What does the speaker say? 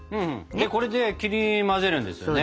でこれで切り混ぜるんですよね？